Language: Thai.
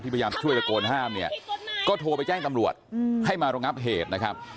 พยายามช่วยตะโกนห้ามเนี่ยก็โทรไปแจ้งตำรวจให้มาระงับเหตุนะครับ